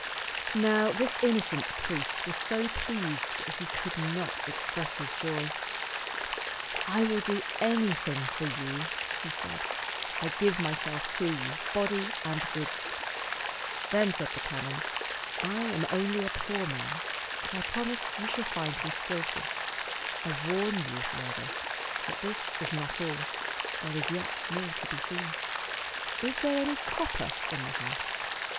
Now this innocent priest was so pleased that he could not express his joy. " I will do anything for you," he said. " I give myself to you, body and goods." Then said the canon, " I am only a poor man, but I promise you shall find me skillful. I warn you, how ever, that this is not all ; there is yet more to be seen. Is there any copper in the house?"